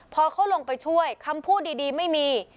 พอเขาลงไปช่วยคำพูดดีไม่มี